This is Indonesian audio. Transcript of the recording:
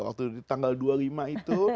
waktu tanggal dua puluh lima itu